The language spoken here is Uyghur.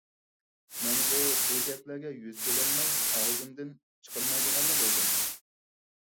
مەنغۇ ئۇ گەپلەرگە يۈز كېلەلمەي ئاغزىمدىن چىقارمايدىغانلا بولدۇم.